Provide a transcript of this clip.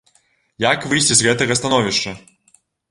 Як выйсці з гэтага становішча?